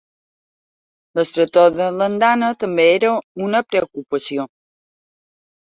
L'estretor de l'andana també era una preocupació.